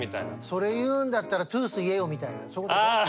それ言うんだったらトゥース言えよみたいなそういうこと？